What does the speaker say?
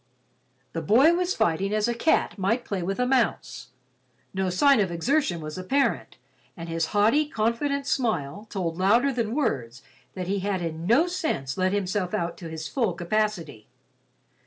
The boy was fighting as a cat might play with a mouse. No sign of exertion was apparent, and his haughty confident smile told louder than words that he had in no sense let himself out to his full capacity.